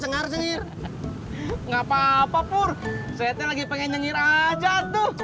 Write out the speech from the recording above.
gapapa pur saya lagi pengen nyengir aja tuh